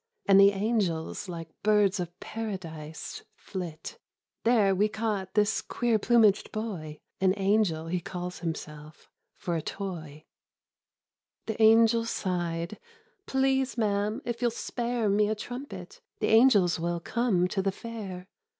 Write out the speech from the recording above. And the angels like birds of paradise Flit ; there we caught this quecr plumaged boy (An angel, he calls himself) for a toy." The angel sighed. " Please, ma'am, if you'll spare Me a trumpet, the angels will come to the Fair, 107 The Higher Sensualism.